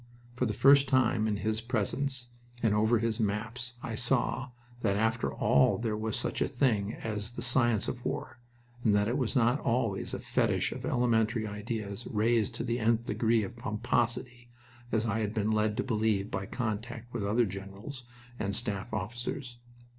For the first time in his presence and over his maps, I saw that after all there was such a thing as the science of war, and that it was not always a fetish of elementary ideas raised to the nth degree of pomposity, as I had been led to believe by contact with other generals and staff officers.